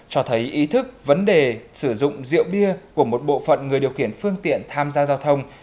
cho thấy ý thức vấn đề sử dụng rượu bia của một bộ phận người điều khiển phương tiện tham gia giao thông